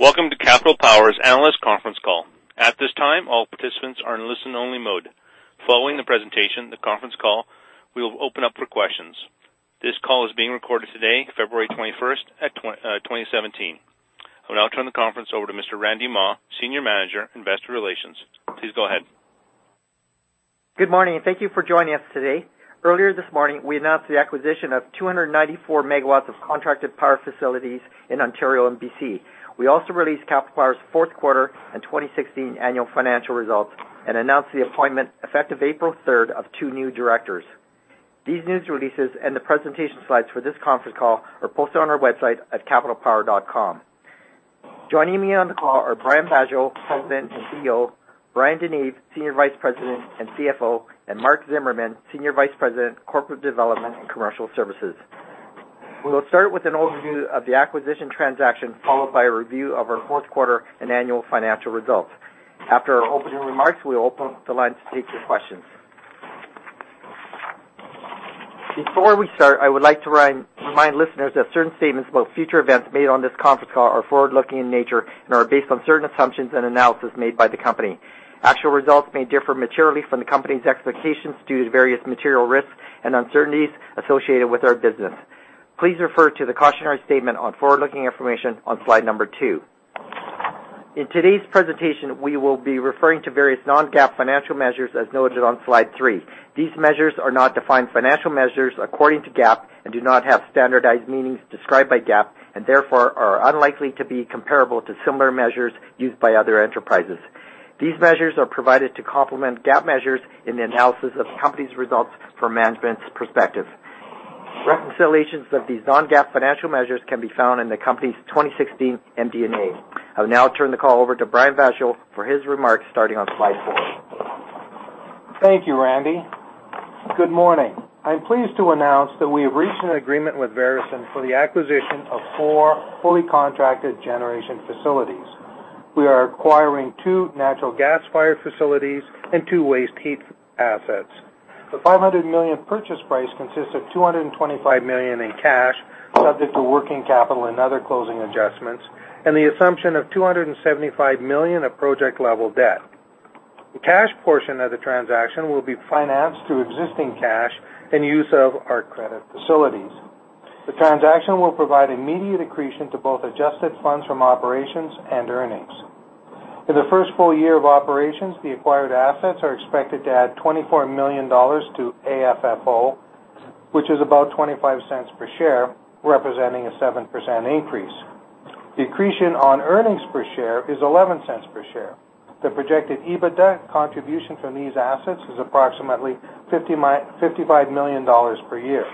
Welcome to Capital Power's analyst conference call. At this time, all participants are in listen-only mode. Following the presentation, the conference call will open up for questions. This call is being recorded today, February 21st, 2017. I will now turn the conference over to Mr. Randy Mah, Senior Manager, Investor Relations. Please go ahead. Good morning, thank you for joining us today. Earlier this morning, we announced the acquisition of 294 MW of contracted power facilities in Ontario and BC. We also released Capital Power's fourth quarter and 2016 annual financial results and announced the appointment, effective April 3rd, of two new directors. These news releases and the presentation slides for this conference call are posted on our website at capitalpower.com. Joining me on the call are Brian Vaasjo, President and CEO, Bryan DeNeve, Senior Vice President and CFO, and Mark Zimmerman, Senior Vice President, Corporate Development and Commercial Services. We will start with an overview of the acquisition transaction, followed by a review of our fourth quarter and annual financial results. After our opening remarks, we'll open up the line to take your questions. Before we start, I would like to remind listeners that certain statements about future events made on this conference call are forward-looking in nature and are based on certain assumptions and analysis made by the company. Actual results may differ materially from the Company's expectations due to various material risks and uncertainties associated with our business. Please refer to the cautionary statement on forward-looking information on slide number two. In today's Presentation, we will be referring to various non-GAAP financial measures, as noted on slide three. These measures are not defined financial measures according to GAAP and do not have standardized meanings described by GAAP and therefore are unlikely to be comparable to similar measures used by other enterprises. These measures are provided to complement GAAP measures in the analysis of the company's results from Management's perspective. Reconciliations of these non-GAAP financial measures can be found in the company's 2016 MD&A. I will now turn the call over to Brian Vaasjo for his remarks, starting on slide four. Thank you, Randy. Good morning. I'm pleased to announce that we have reached an agreement with Veresen for the acquisition of four fully contracted generation facilities. We are acquiring two natural gas-fired facilities and two waste heat assets. The 500 million purchase price consists of 225 million in cash, subject to working capital and other closing adjustments, and the assumption of 275 million of project-level debt. The cash portion of the transaction will be financed through existing cash and use of our credit facilities. The transaction will provide immediate accretion to both adjusted funds from operations and earnings. In the first full year of operations, the acquired assets are expected to add 24 million dollars to AFFO, which is about 0.25 per share, representing a 7% increase. The accretion on earnings per share is 0.11 per share. The projected EBITDA contribution from these assets is approximately 55 million dollars per year.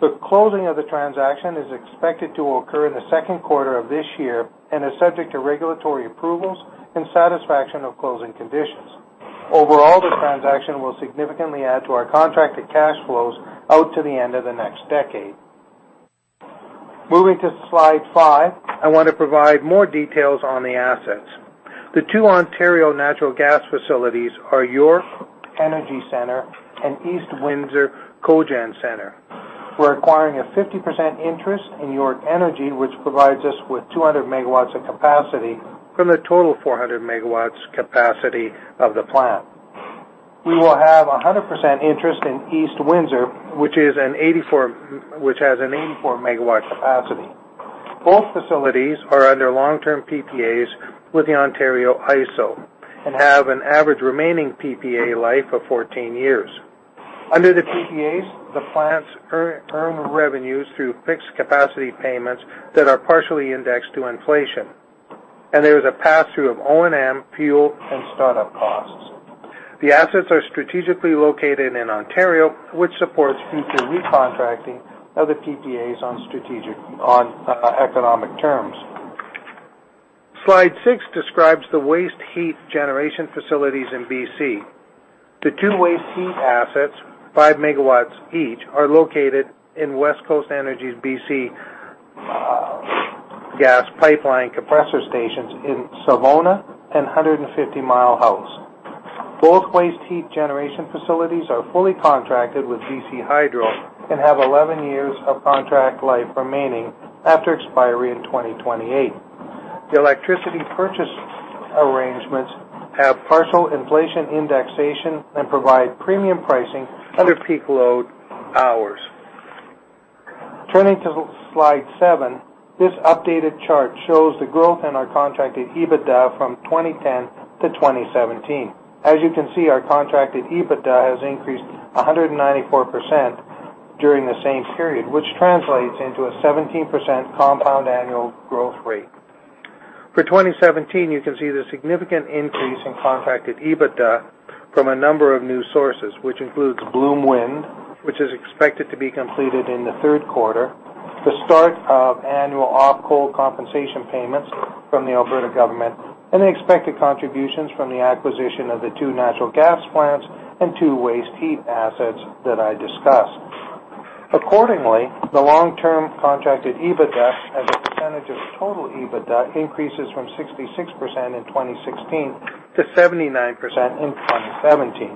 The closing of the transaction is expected to occur in the second quarter of this year and is subject to regulatory approvals and satisfaction of closing conditions. Overall, the transaction will significantly add to our contracted cash flows out to the end of the next decade. Moving to slide five, I want to provide more details on the assets. The two Ontario natural gas facilities are York Energy Centre and East Windsor Cogen Centre. We're acquiring a 50% interest in York Energy, which provides us with 200 MW of capacity from the total 400 MW capacity of the plant. We will have a 100% interest in East Windsor, which has an 84 MW capacity. Both facilities are under long-term PPAs with the Ontario IESO and have an average remaining PPA life of 14 years. Under the PPAs, the plants earn revenues through fixed capacity payments that are partially indexed to inflation, and there is a pass-through of O&M, fuel, and startup costs. The assets are strategically located in Ontario, which supports future recontracting of the PPAs on economic terms. Slide six describes the waste heat generation facilities in BC. The two waste heat assets, 5 MW each, are located in Westcoast Energy's BC. gas pipeline compressor stations in Savona and 150 Mile House. Both waste heat generation facilities are fully contracted with BC Hydro and have 11 years of contract life remaining after expiry in 2028. The electricity purchase arrangements have partial inflation indexation and provide premium pricing under peak load hours. Turning to slide seven, this updated chart shows the growth in our contracted EBITDA from 2010-2017. As you can see, our contracted EBITDA has increased 194% during the same period, which translates into a 17% compound annual growth rate. For 2017, you can see the significant increase in contracted EBITDA from a number of new sources, which includes Bloom Wind, which is expected to be completed in the third quarter, the start of annual off-coal compensation payments from the Alberta government, and the expected contributions from the acquisition of the two natural gas plants and two waste heat assets that I discussed. Accordingly, the long-term contracted EBITDA as a percentage of total EBITDA increases from 66% in 2016 to 79% in 2017.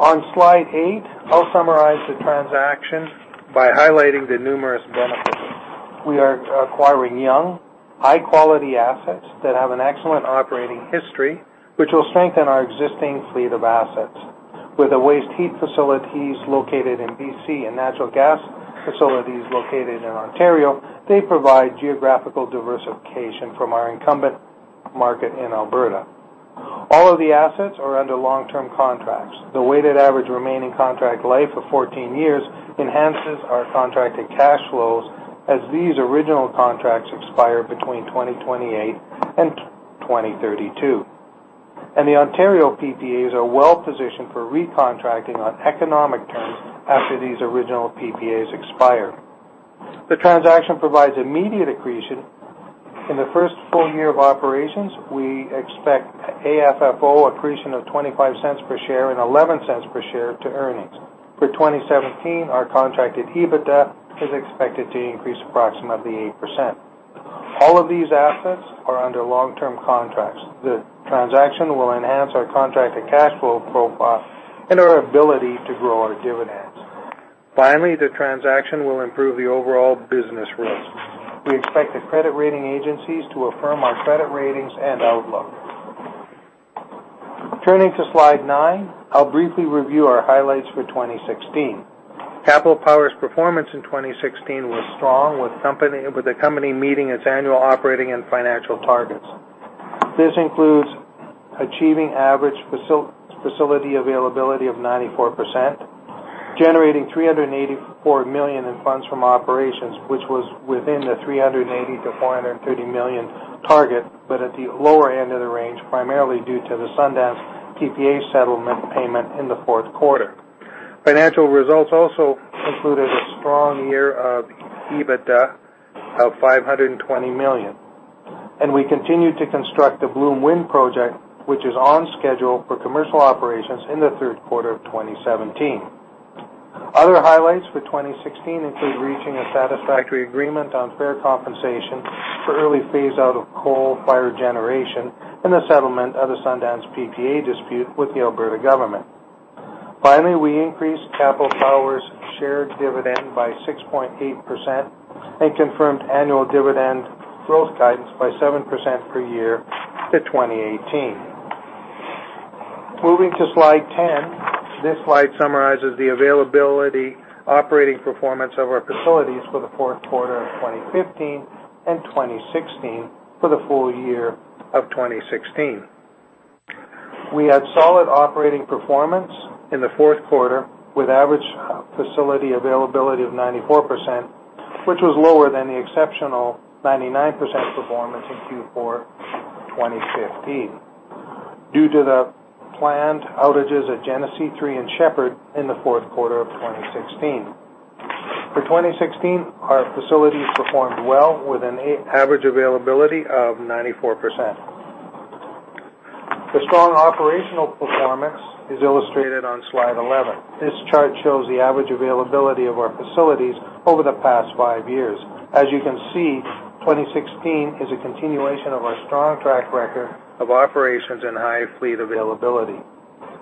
On slide eight, I'll summarize the transaction by highlighting the numerous benefits. We are acquiring young, high-quality assets that have an excellent operating history, which will strengthen our existing fleet of assets. With the waste heat facilities located in BC. and natural gas facilities located in Ontario, they provide geographical diversification from our incumbent market in Alberta. All of the assets are under long-term contracts. The weighted average remaining contract life of 14 years enhances our contracted cash flows as these original contracts expire between 2028 and 2032. The Ontario PPAs are well-positioned for re-contracting on economic terms after these original PPAs expire. The transaction provides immediate accretion. In the first full year of operations, we expect AFFO accretion of 0.25 per share and 0.11 per share to earnings. For 2017, our contracted EBITDA is expected to increase approximately 8%. All of these assets are under long-term contracts. The transaction will enhance our contracted cash flow profile and our ability to grow our dividends. Finally, the transaction will improve the overall business risk. We expect the credit rating agencies to affirm our credit ratings and outlook. Turning to slide nine, I'll briefly review our highlights for 2016. Capital Power's performance in 2016 was strong, with the company meeting its annual operating and financial targets. This includes achieving average facility availability of 94%, generating 384 million in funds from operations, which was within the 380 million-430 million target, but at the lower end of the range, primarily due to the Sundance PPA settlement payment in the fourth quarter. Financial results also included a strong year of EBITDA of 520 million. We continued to construct the Bloom Wind project, which is on schedule for commercial operations in the third quarter of 2017. Other highlights for 2016 include reaching a satisfactory agreement on fair compensation for early phase-out of coal-fired generation and the settlement of the Sundance PPA dispute with the Alberta government. Finally, we increased Capital Power's share dividend by 6.8% and confirmed annual dividend growth guidance by 7% per year to 2018. Moving to slide 10. This slide summarizes the availability operating performance of our facilities for the fourth quarter of 2015 and 2016, for the full year of 2016. We had solid operating performance in the fourth quarter, with average facility availability of 94%, which was lower than the exceptional 99% performance in Q4 2015 due to the planned outages at Genesee 3 and Shepard in the fourth quarter of 2016. For 2016, our facilities performed well with an average availability of 94%. The strong operational performance is illustrated on slide 11. This chart shows the average availability of our facilities over the past five years. As you can see, 2016 is a continuation of our strong track record of operations and high fleet availability.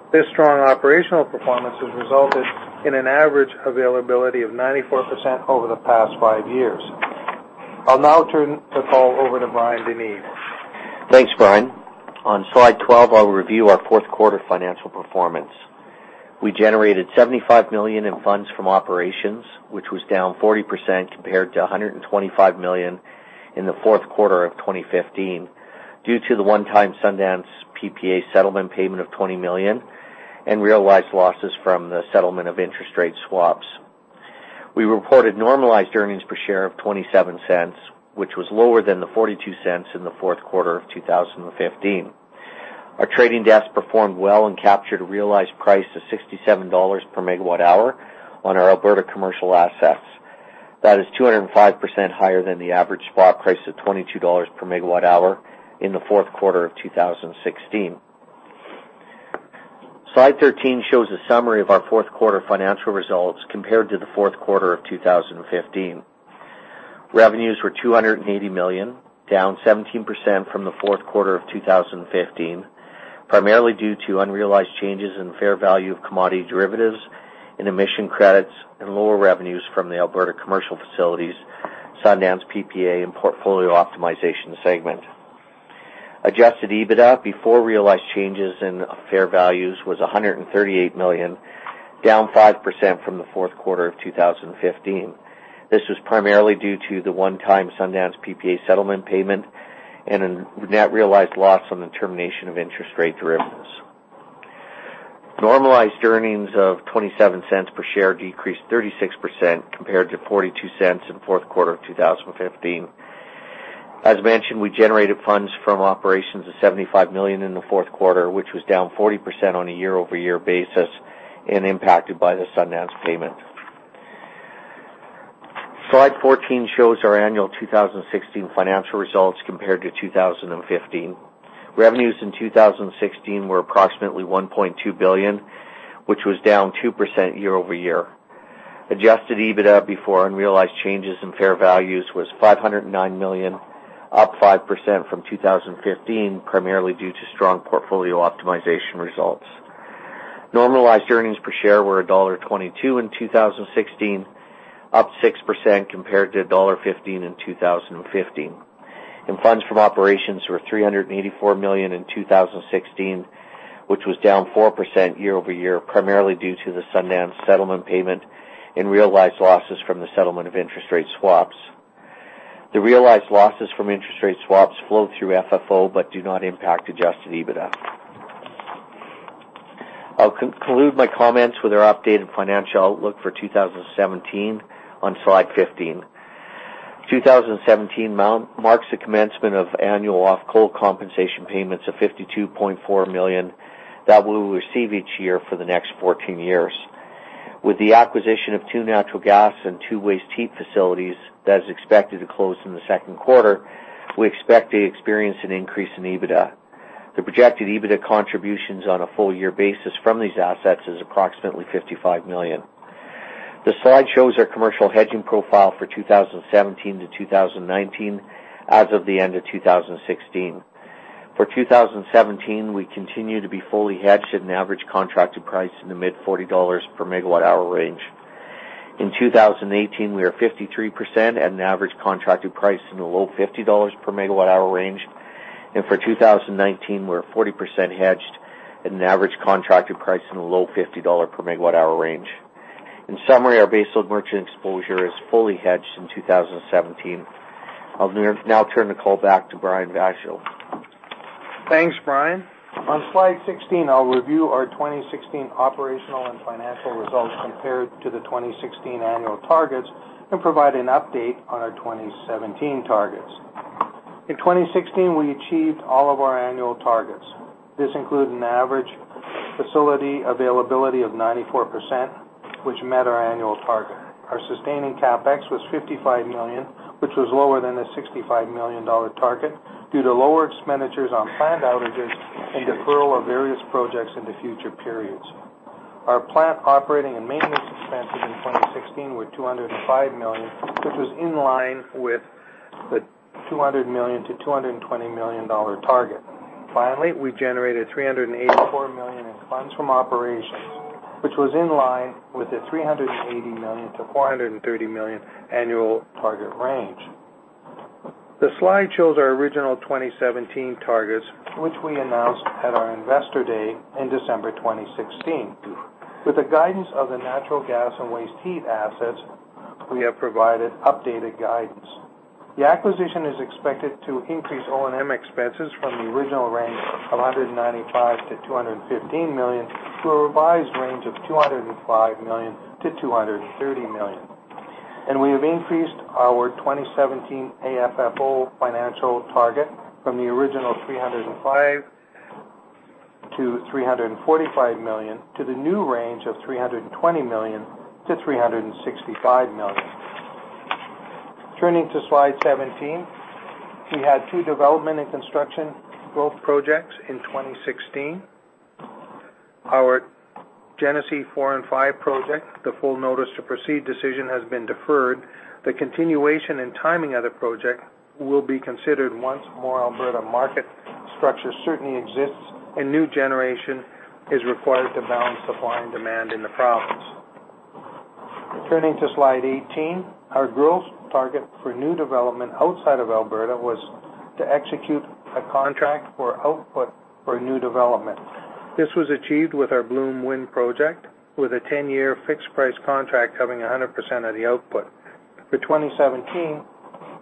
This strong operational performance has resulted in an average availability of 94% over the past five years. I'll now turn the call over to Bryan DeNeve. Thanks, Brian. On slide 12, I'll review our fourth quarter financial performance. We generated 75 million in funds from operations, which was down 40% compared to 125 million in the fourth quarter of 2015, due to the one-time Sundance PPA settlement payment of 20 million and realized losses from the settlement of interest rate swaps. We reported normalized earnings per share of 0.27, which was lower than the 0.42 in the fourth quarter of 2015. Our trading desk performed well and captured a realized price of 67 dollars per MW hour on our Alberta commercial assets. That is 205% higher than the average spot price of 22 dollars per MW hour in the fourth quarter of 2016. Slide 13 shows a summary of our fourth quarter financial results compared to the fourth quarter of 2015. Revenues were 280 million, down 17% from the fourth quarter of 2015, primarily due to unrealized changes in fair value of commodity derivatives and emission credits and lower revenues from the Alberta commercial facilities, Sundance PPA, and portfolio optimization segment. Adjusted EBITDA before realized changes in fair values was 138 million, down 5% from the fourth quarter of 2015. This was primarily due to the one-time Sundance PPA settlement payment and a net realized loss on the termination of interest rate derivatives. Normalized earnings of 0.27 per share decreased 36% compared to 0.42 in the fourth quarter of 2015. As mentioned, we generated funds from operations of 75 million in the fourth quarter, which was down 40% on a year-over-year basis and impacted by the Sundance payment. Slide 14 shows our annual 2016 financial results compared to 2015. Revenues in 2016 were approximately 1.2 billion, which was down 2% year-over-year. Adjusted EBITDA before unrealized changes in fair values was 509 million, up 5% from 2015, primarily due to strong portfolio optimization results. Normalized earnings per share were dollar 1.22 in 2016, up 6% compared to dollar 1.15 in 2015. Funds from operations were 384 million in 2016, which was down 4% year-over-year, primarily due to the Sundance settlement payment and realized losses from the settlement of interest rate swaps. The realized losses from interest rate swaps flow through FFO but do not impact adjusted EBITDA. I'll conclude my comments with our updated financial outlook for 2017 on slide 15. 2017 marks the commencement of annual off-coal compensation payments of 52.4 million that we will receive each year for the next 14 years. With the acquisition of two natural gas and two waste heat facilities that is expected to close in the second quarter, we expect to experience an increase in EBITDA. The projected EBITDA contributions on a full-year basis from these assets is approximately 55 million. The slide shows our commercial hedging profile for 2017-2019 as of the end of 2016. For 2017, we continue to be fully hedged at an average contracted price in the mid-CAD 40 per MWh range. In 2018, we are 53% at an average contracted price in the low 50 dollars per MWh range. For 2019, we're 40% hedged at an average contracted price in the low 50 dollar per MWh range. In summary, our baseload merchant exposure is fully hedged in 2017. I'll now turn the call back to Brian Vaasjo. Thanks, Bryan. On slide 16, I'll review our 2016 operational and financial results compared to the 2016 annual targets and provide an update on our 2017 targets. In 2016, we achieved all of our annual targets. This included an average facility availability of 94%, which met our annual target. Our sustaining CapEx was 55 million, which was lower than the 65 million dollar target due to lower expenditures on planned outages and deferral of various projects into future periods. Our plant operating and maintenance expenses in 2016 were 205 million, which was in line with the 200 million-220 million dollar target. Finally, we generated 384 million in funds from operations, which was in line with the 380 million-430 million annual target range. The slide shows our original 2017 targets, which we announced at our Investor Day in December 2016. With the acquisition of the natural gas and waste heat assets, we have provided updated guidance. The acquisition is expected to increase O&M expenses from the original range of 195 million-215 million to a revised range of 205 million-230 million. We have increased our 2017 AFFO financial target from the original 305 million to 345 million to the new range of 320 million-365 million. Turning to slide 17. We had two development and construction growth projects in 2016. Our Genesee 4 and 5 project, the full notice to proceed decision has been deferred. The continuation and timing of the project will be considered once more Alberta market structure certainty exists and new generation is required to balance supply and demand in the province. Turning to slide 18. Our growth target for new development outside of Alberta was to execute a contract for output for new development. This was achieved with our Bloom Wind project, with a 10-year fixed price contract covering 100% of the output. For 2017,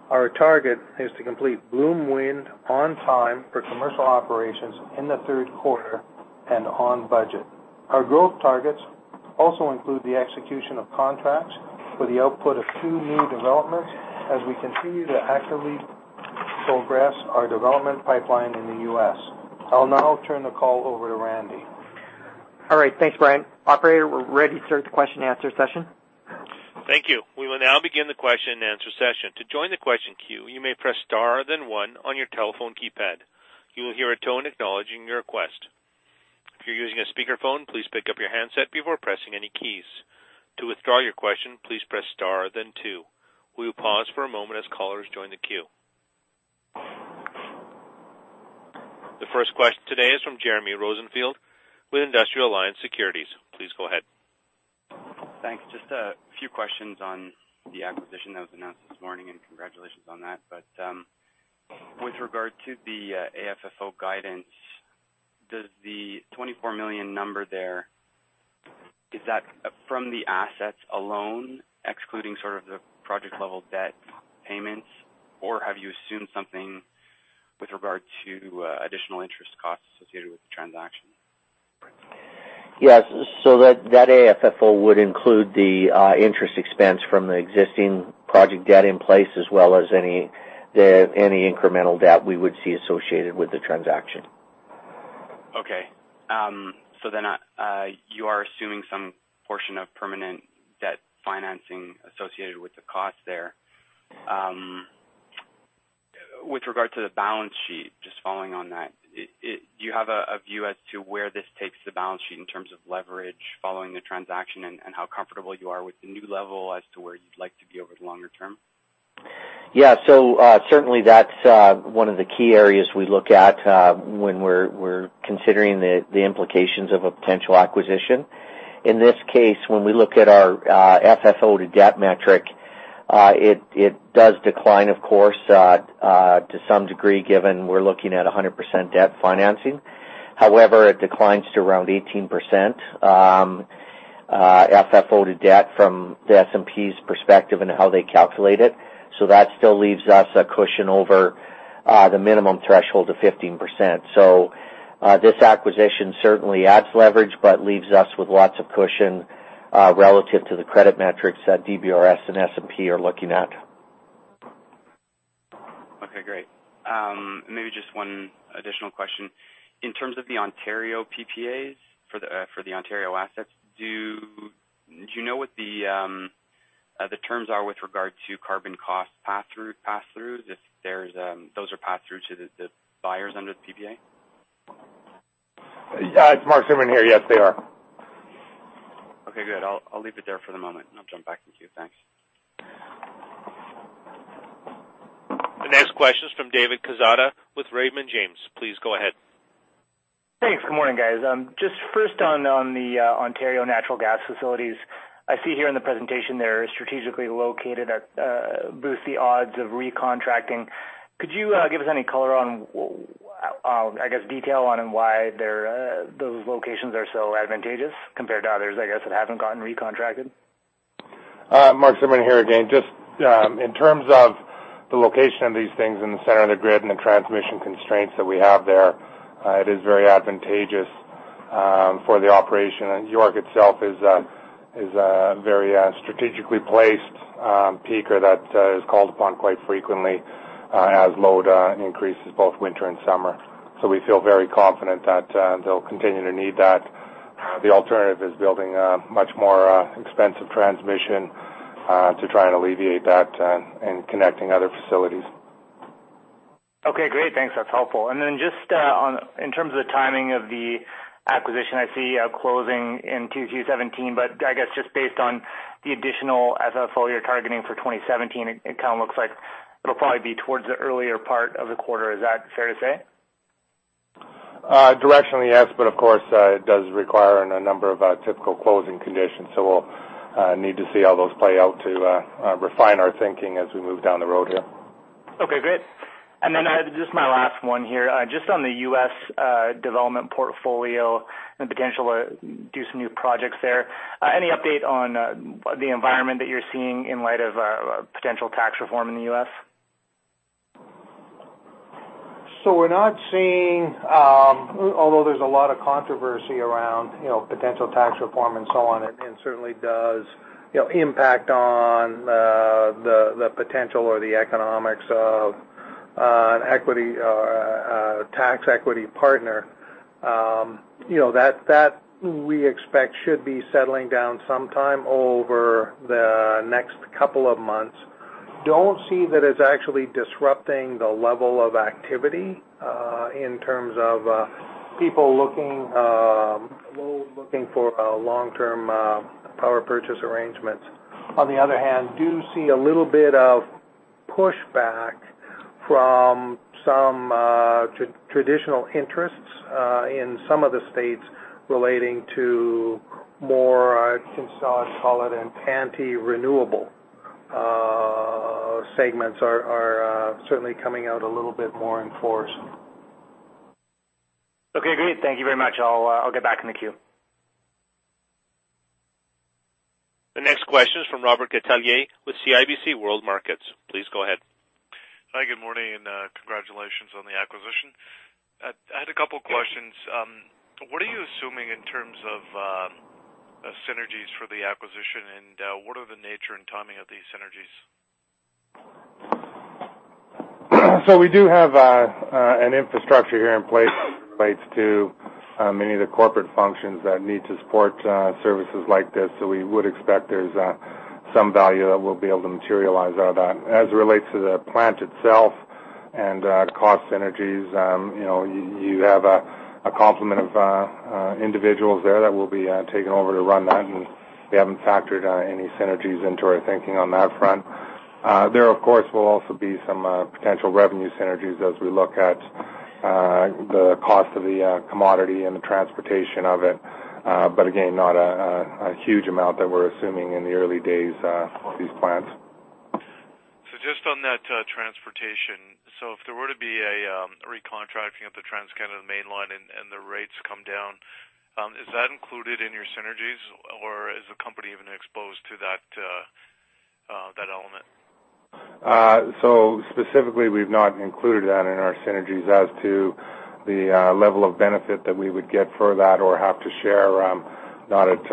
our target is to complete Bloom Wind on time for commercial operations in the third quarter and on budget. Our growth targets also include the execution of contracts for the output of two new developments as we continue to actively progress our development pipeline in the U.S. I'll now turn the call over to Randy. All right. Thanks, Bryan. Operator, we're ready to start the question-and-answer session. Thank you. We will now begin the question-and-answer session. To join the question queue, you may press star then one on your telephone keypad. You will hear a tone acknowledging your request. If you're using a speakerphone, please pick up your handset before pressing any keys. To withdraw your question, please press star then two. We will pause for a moment as callers join the queue. The first question today is from Jeremy Rosenfield with Industrial Alliance Securities. Please go ahead. Thanks. Just a few questions on the acquisition that was announced this morning, and congratulations on that. With regard to the AFFO guidance, the 24 million number there, is that from the assets alone, excluding sort of the project-level debt payments? Have you assumed something with regard to additional interest costs associated with the transaction? Yes. That AFFO would include the interest expense from the existing project debt in place as well as any incremental debt we would see associated with the transaction. Okay. You are assuming some portion of permanent debt financing associated with the cost there. With regard to the balance sheet, just following on that, do you have a view as to where this takes the balance sheet in terms of leverage following the transaction and how comfortable you are with the new level as to where you'd like to be over the longer term? Yeah. Certainly that's one of the key areas we look at when we're considering the implications of a potential acquisition. In this case, when we look at our FFO to debt metric, it does decline, of course, to some degree, given we're looking at 100% debt financing. However, it declines to around 18% FFO to debt from the S&P's perspective and how they calculate it. That still leaves us a cushion over the minimum threshold of 15%. This acquisition certainly adds leverage, but leaves us with lots of cushion relative to the credit metrics that DBRS and S&P are looking at. Okay, great. Maybe just one additional question, in terms of the Ontario PPAs for the Ontario assets, do you know what the terms are with regard to carbon cost pass-through, if those are passed through to the buyers under the PPA? It's Mark Zimmerman here. Yes, they are. Okay, good. I'll leave it there for the moment, and I'll jump back in the queue. Thanks. The next question is from David Quezada with Raymond James. Please go ahead. Thanks. Good morning, guys. Just first on the Ontario natural gas facilities, I see here in the presentation they're strategically located to boost the odds of re-contracting. Could you give us any color on, I guess, detail on why those locations are so advantageous compared to others, I guess, that haven't gotten re-contracted? Mark Zimmerman here again. Just in terms of the location of these things in the center of the grid and the transmission constraints that we have there, it is very advantageous for the operation. York itself is a very strategically placed peaker that is called upon quite frequently as load increases both winter and summer. We feel very confident that they'll continue to need that. The alternative is building a much more expensive transmission to try and alleviate that and connecting other facilities. Okay, great. Thanks. That's helpful. Just in terms of the timing of the acquisition, I see closing in 2017, but I guess just based on the additional FFO you're targeting for 2017, it kind of looks like it'll probably be towards the earlier part of the quarter. Is that fair to say? Directionally, yes. Of course, it does require a number of typical closing conditions, so we'll need to see how those play out to refine our thinking as we move down the road here. Okay, great. Just my last one here, just on the U.S. development portfolio and potential to do some new projects there. Any update on the environment that you're seeing in light of potential tax reform in the U.S.? We're not seeing, although there's a lot of controversy around potential tax reform and so on, it certainly does impact on the potential or the economics of a tax equity partner. That, we expect should be settling down sometime over the next couple of months. We don't see that it's actually disrupting the level of activity in terms of people looking for long-term power purchase arrangements. On the other hand, we do see a little bit of pushback from some traditional interests in some of the states relating to more, I can call it, an anti-renewable segments are certainly coming out a little bit more in force. Okay, great. Thank you very much. I'll get back in the queue. The next question is from Robert Catellier with CIBC World Markets. Please go ahead. Hi, good morning, and congratulations on the acquisition. I had a couple questions. What are you assuming in terms of synergies for the acquisition, and what are the nature and timing of these synergies? We do have an infrastructure here in place that relates to many of the corporate functions that need to support services like this. We would expect there's some value that we'll be able to materialize out of that. As it relates to the plant itself and cost synergies, you have a complement of individuals there that will be taking over to run that, and we haven't factored any synergies into our thinking on that front. There, of course, will also be some potential revenue synergies as we look at the cost of the commodity and the transportation of it. Again, not a huge amount that we're assuming in the early days of these plans. Just on that transportation, if there were to be a re-contracting of the TransCanada Mainline and the rates come down, is that included in your synergies, or is the company even exposed to that element? Specifically, we've not included that in our synergies as to the level of benefit that we would get for that or have to share. We're not at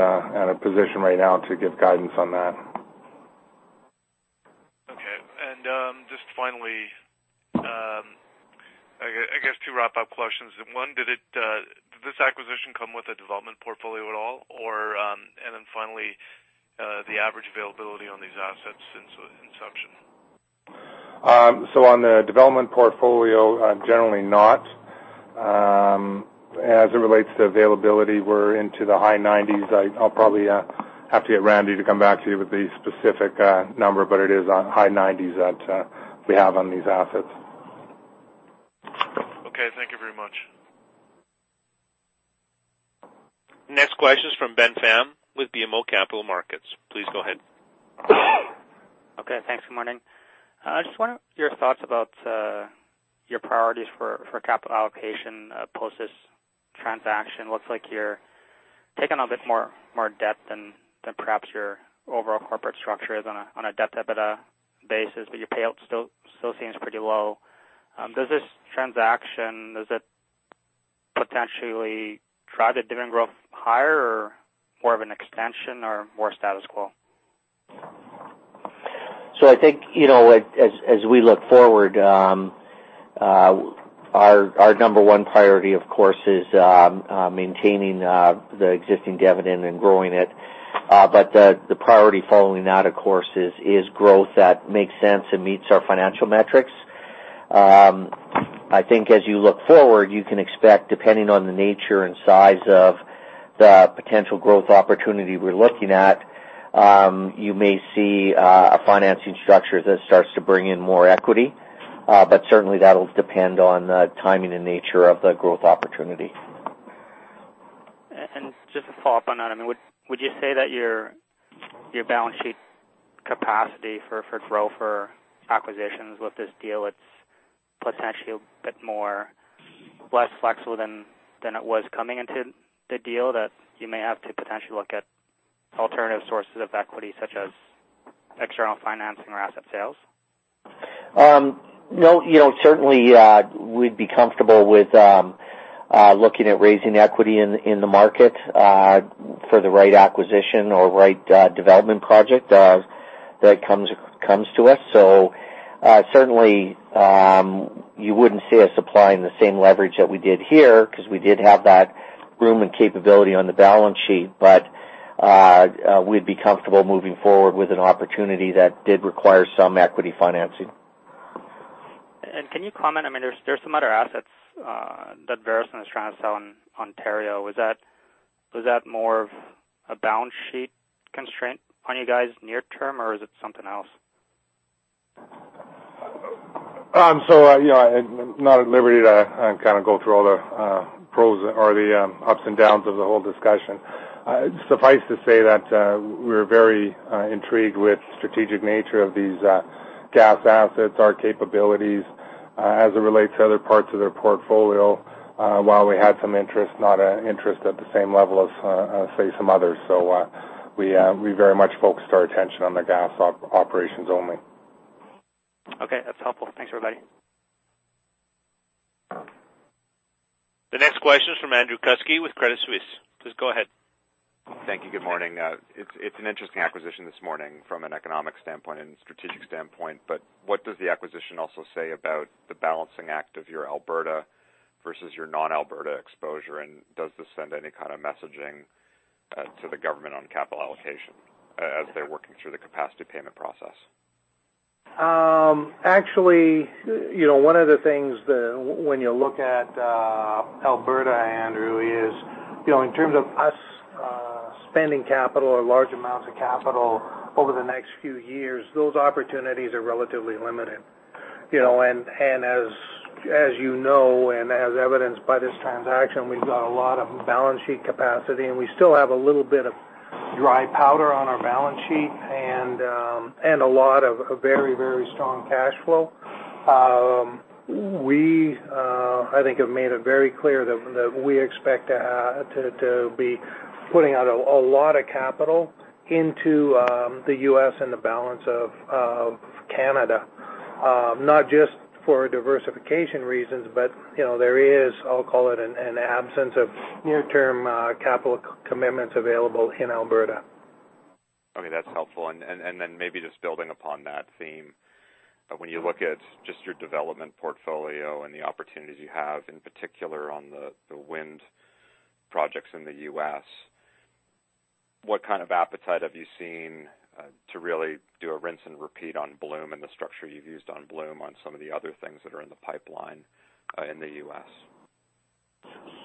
a position right now to give guidance on that. Okay. Just finally. Two wrap-up questions. One, did this acquisition come with a development portfolio at all? Finally, the average availability on these assets since inception? On the development portfolio, generally not. As it relates to availability, we're into the high 90s. I'll probably have to get Randy to come back to you with the specific number, but it is high 90s that we have on these assets. Okay. Thank you very much. Next question is from Ben Pham with BMO Capital Markets. Please go ahead. Okay. Thanks. Good morning. I just wonder your thoughts about your priorities for capital allocation post this transaction. Looks like you're taking on a bit more debt than perhaps your overall corporate structure is on a debt-to-EBITDA basis, but your payout still seems pretty low. Does this transaction potentially drive the dividend growth higher or more of an extension or more status quo? I think, as we look forward, our number one priority, of course, is maintaining the existing dividend and growing it. The priority following that, of course, is growth that makes sense and meets our financial metrics. I think as you look forward, you can expect, depending on the nature and size of the potential growth opportunity we're looking at, you may see a financing structure that starts to bring in more equity. Certainly, that'll depend on the timing and nature of the growth opportunity. Just to follow up on that, would you say that your balance sheet capacity for growth for acquisitions with this deal, it's potentially a bit less flexible than it was coming into the deal, that you may have to potentially look at alternative sources of equity, such as external financing or asset sales? No. Certainly, we'd be comfortable with looking at raising equity in the market for the right acquisition or right development project that comes to us. Certainly, you wouldn't see us applying the same leverage that we did here because we did have that room and capability on the balance sheet. We'd be comfortable moving forward with an opportunity that did require some equity financing. Can you comment? There's some other assets that Veresen is trying to sell in Ontario. Was that more of a balance sheet constraint on you guys near term, or is it something else? I'm not at liberty to go through all the pros or the ups and downs of the whole discussion. Suffice to say that we're very intrigued with strategic nature of these gas assets, our capabilities as it relates to other parts of their portfolio. While we had some interest, not an interest at the same level as, say, some others, we very much focused our attention on the gas operations only. Okay. That's helpful. Thanks, everybody. The next question is from Andrew Kuske with Credit Suisse. Please go ahead. Thank you. Good morning. It's an interesting acquisition this morning from an economic standpoint and strategic standpoint. What does the acquisition also say about the balancing act of your Alberta versus your non-Alberta exposure? Does this send any kind of messaging to the government on capital allocation as they're working through the capacity payment process? Actually, one of the things when you look at Alberta, Andrew, is in terms of us spending capital or large amounts of capital over the next few years, those opportunities are relatively limited. As you know, and as evidenced by this transaction, we've got a lot of balance sheet capacity, and we still have a little bit of dry powder on our balance sheet and a lot of very strong cash flow. We, I think, have made it very clear that we expect to be putting out a lot of capital into the U.S. and the balance of Canada, not just for diversification reasons, but there is, I'll call it, an absence of near-term capital commitments available in Alberta. Okay. That's helpful. Maybe just building upon that theme, when you look at just your development portfolio and the opportunities you have, in particular on the wind projects in the U.S., what kind of appetite have you seen to really do a rinse and repeat on Bloom and the structure you've used on Bloom on some of the other things that are in the pipeline in the U.S.?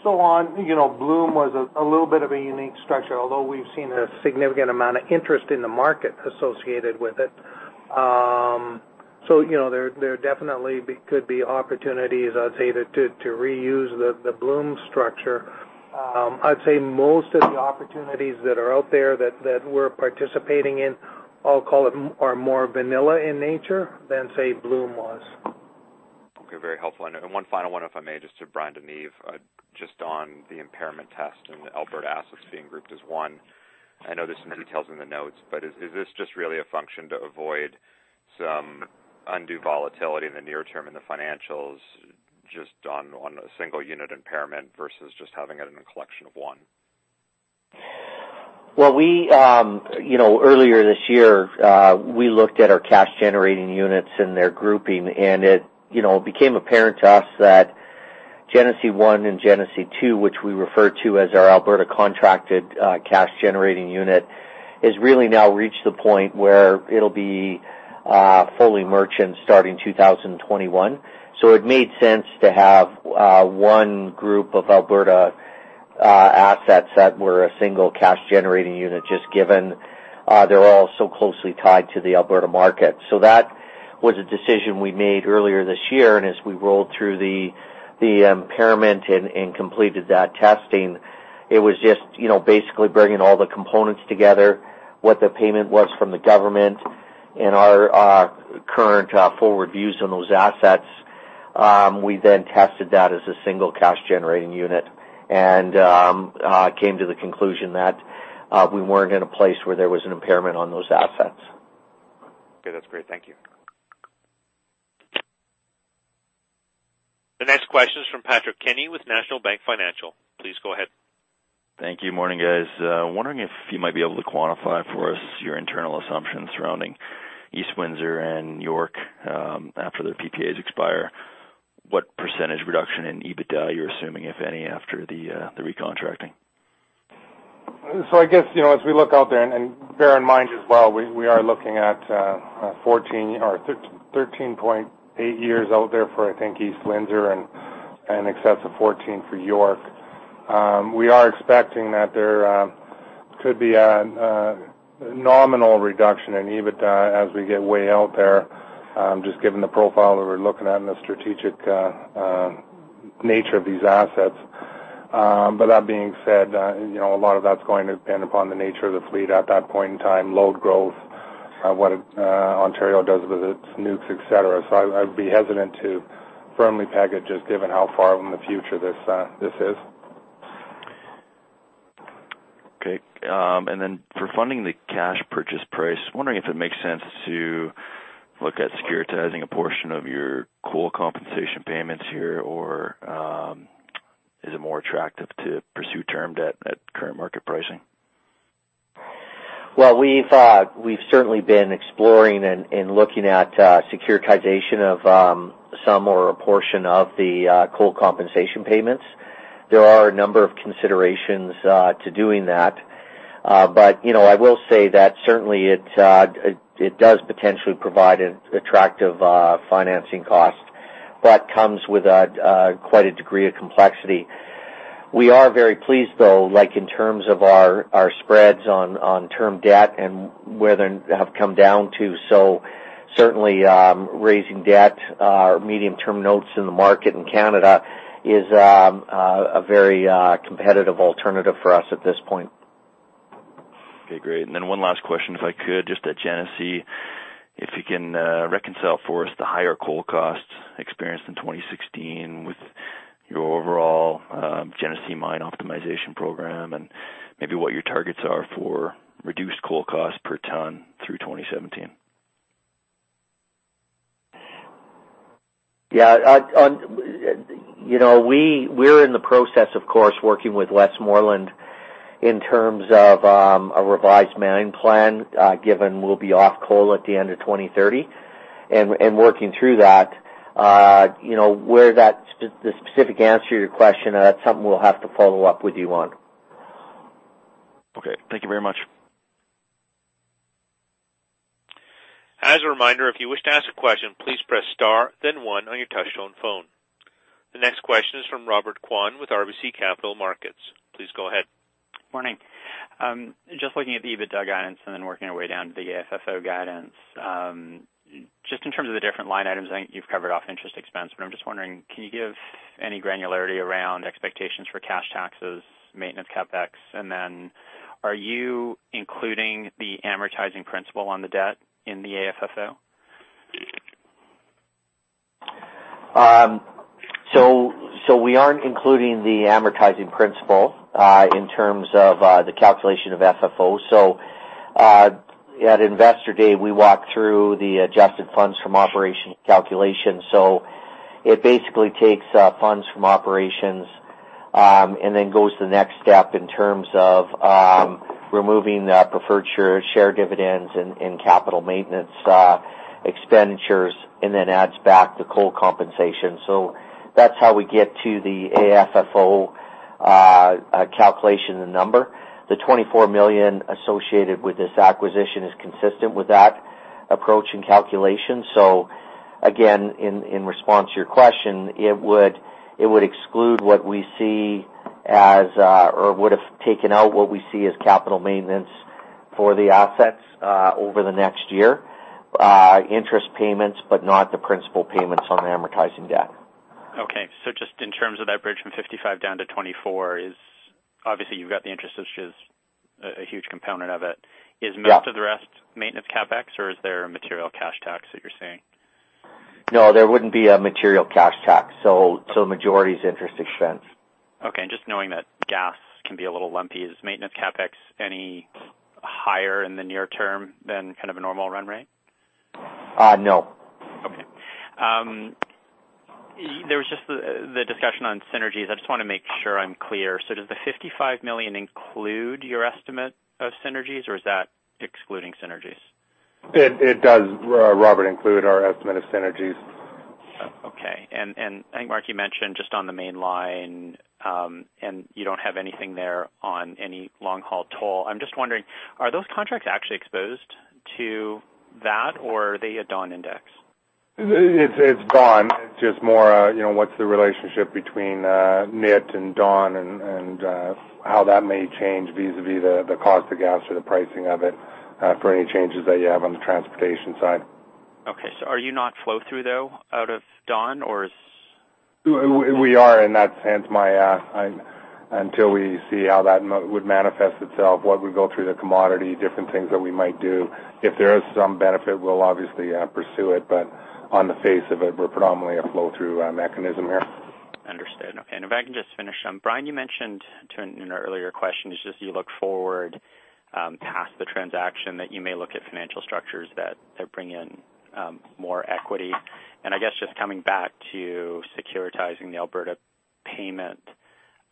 On Bloom was a little bit of a unique structure, although we've seen a significant amount of interest in the market associated with it. There definitely could be opportunities, I'd say, to reuse the Bloom structure. I'd say most of the opportunities that are out there that we're participating in, I'll call it, are more vanilla in nature than, say, Bloom was. Okay. Very helpful. One final one, if I may, just to Bryan DeNeve. Just on the impairment test and the Alberta assets being grouped as one, I know there's some details in the notes, but is this just really a function to avoid some undue volatility in the near term in the financials just on a single unit impairment versus just having it in a collection of one? Well, earlier this year, we looked at our cash-generating units and their grouping, and it became apparent to us that Genesee 1 and Genesee 2, which we refer to as our Alberta contracted cash-generating unit, has really now reached the point where it'll be fully merchant starting 2021. It made sense to have one group of Alberta assets that were a single cash-generating unit, just given they're all so closely tied to the Alberta market. That was a decision we made earlier this year, and as we rolled through the impairment and completed that testing, it was just basically bringing all the components together, what the payment was from the government and our current forward views on those assets. We then tested that as a single cash-generating unit and came to the conclusion that we weren't in a place where there was an impairment on those assets. Okay, that's great. Thank you. The next question is from Patrick Kenny with National Bank Financial. Please go ahead. Thank you. Morning, guys. Wondering if you might be able to quantify for us your internal assumptions surrounding East Windsor and York after their PPAs expire, what % reduction in EBITDA you're assuming, if any, after the re-contracting? I guess as we look out there, and bear in mind as well, we are looking at 13.8 years out there for, I think, East Windsor and an excess of 14 for York. We are expecting that there could be a nominal reduction in EBITDA as we get way out there, just given the profile that we're looking at and the strategic nature of these assets. That being said, a lot of that's going to depend upon the nature of the fleet at that point in time, load growth, what Ontario does with its nukes, et cetera. I'd be hesitant to firmly peg it, just given how far in the future this is. Okay. For funding the cash purchase price, I am wondering if it makes sense to look at securitizing a portion of your coal compensation payments here, or is it more attractive to pursue term debt at current market pricing? Well, we've certainly been exploring and looking at securitization of some or a portion of the coal compensation payments. There are a number of considerations to doing that. I will say that certainly it does potentially provide an attractive financing cost, but comes with quite a degree of complexity. We are very pleased, though, like in terms of our spreads on term debt and where they have come down to. Certainly, raising debt, medium-term notes in the market in Canada is a very competitive alternative for us at this point. Okay, great. One last question, if I could, just at Genesee, if you can reconcile for us the higher coal costs experienced in 2016 with your overall Genesee mine optimization program, and maybe what your targets are for reduced coal cost per ton through 2017? Yeah. We're in the process, of course, working with Westmoreland in terms of a revised mining plan, given we'll be off coal at the end of 2030. Working through that, the specific answer to your question, that's something we'll have to follow up with you on. Okay. Thank you very much. The next question is from Robert Kwan with RBC Capital Markets. Please go ahead. Morning. I am just looking at the EBITDA guidance and then working our way down to the AFFO guidance. Just in terms of the different line items, I think you've covered off interest expense, but I'm just wondering, can you give any granularity around expectations for cash taxes, maintenance CapEx, and then are you including the amortizing principal on the debt in the AFFO? We aren't including the amortizing principal in terms of the calculation of AFFO. At Investor Day, we walked through the adjusted funds from operation calculation. It basically takes funds from operations and then goes to the next step in terms of removing the preferred share dividends and capital maintenance expenditures, and then adds back the coal compensation. That's how we get to the AFFO calculation and number. The 24 million associated with this acquisition is consistent with that approach and calculation. Again, in response to your question, it would exclude what we see as or would have taken out what we see as capital maintenance for the assets over the next year, interest payments, but not the principal payments on the amortizing debt. Okay, just in terms of that bridge from 55 down to 24 is, obviously, you've got the interest, which is a huge component of it. Yeah. Is most of the rest maintenance CapEx, or is there a material cash tax that you're seeing? No, there wouldn't be a material cash tax. Majority is interest expense. Okay. Just knowing that gas can be a little lumpy, is maintenance CapEx any higher in the near term than kind of a normal run rate? No. There was just the discussion on synergies. I just want to make sure I'm clear. Does the 55 million include your estimate of synergies or is that excluding synergies? It does, Robert, include our estimate of synergies. Okay. I think, Mark, you mentioned just on the Mainline, and you don't have anything there on any long-haul toll. I'm just wondering, are those contracts actually exposed to that or are they a Dawn index? It's Dawn, just more, you know, what's the relationship between NIT and Dawn and how that may change vis-à-vis the cost of gas or the pricing of it for any changes that you have on the transportation side? Okay. Are you not flow-through, though, out of Dawn? We are in that sense until we see how that would manifest itself, what we go through the commodity, different things that we might do. If there is some benefit, we'll obviously pursue it, but on the face of it, we're predominantly a flow-through mechanism here. Understood. Okay. If I can just finish. Bryan, you mentioned in an earlier question, it's just you look forward, past the transaction, that you may look at financial structures that bring in more equity. I guess just coming back to securitizing the Alberta payment,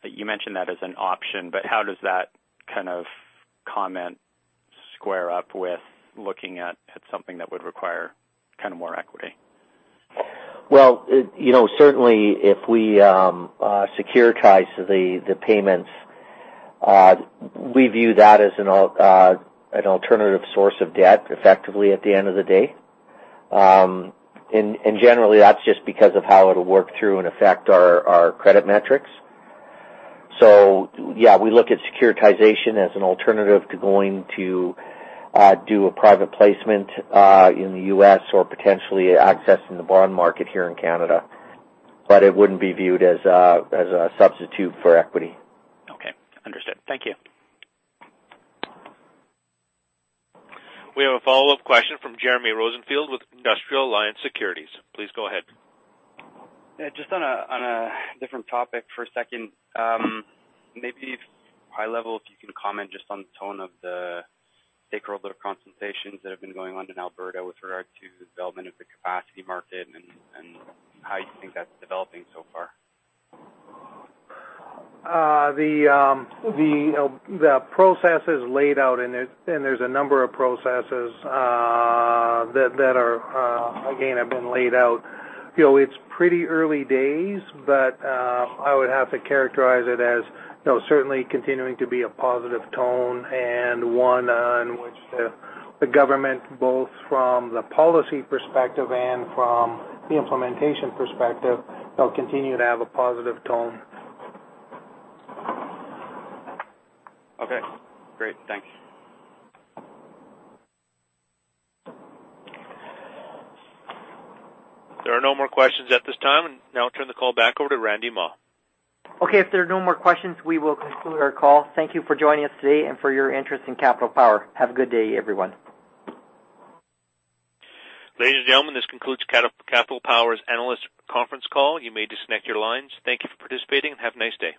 you mentioned that as an option, but how does that kind of comment square up with looking at something that would require more equity? Well, certainly if we securitize the payments, we view that as an alternative source of debt effectively at the end of the day. Generally, that's just because of how it'll work through and affect our credit metrics. Yeah, we look at securitization as an alternative to going to do a private placement in the U.S. or potentially accessing the bond market here in Canada. It wouldn't be viewed as a substitute for equity. Okay. Understood. Thank you. We have a follow-up question from Jeremy Rosenfield with Industrial Alliance Securities. Please go ahead. Yeah, just on a different topic for a second. Maybe if high level, if you can comment just on the tone of the stakeholder consultations that have been going on in Alberta with regard to the development of the capacity market and how you think that's developing so far. The process is laid out, and there's a number of processes that, again, have been laid out. It's pretty early days, but I would have to characterize it as certainly continuing to be a positive tone and one on which the government, both from the policy perspective and from the implementation perspective, they'll continue to have a positive tone. Okay, great. Thank you. There are no more questions at this time, and now I'll turn the call back over to Randy Mah. If there are no more questions, we will conclude our call. Thank you for joining us today and for your interest in Capital Power. Have a good day, everyone. Ladies and gentlemen, this concludes Capital Power's analyst conference call. You may disconnect your lines. Thank you for participating and have a nice day.